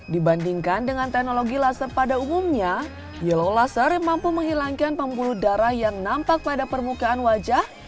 dibandingkan dengan teknologi laser pada umumnya yellow laser mampu menghilangkan pembuluh darah yang nampak pada permukaan wajah